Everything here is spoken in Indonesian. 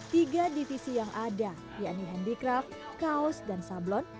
tiga detisi yang ada yaitu handicraft kaos dan sablon